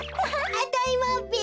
あたいもべ！